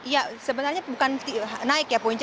ya sebenarnya bukan naik ya punca